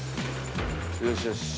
よしよし。